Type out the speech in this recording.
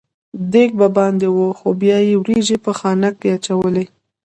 دېګ به باندې و خو بیا یې وریجې په خانک کې اچولې.